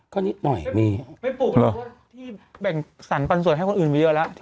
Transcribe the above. ก็นิดหน่อยมีไม่ปลูกเหรอที่แบ่งสรรปันส่วนให้คนอื่นมาเยอะแล้ว